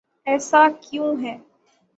ایسا کیوں ہے؟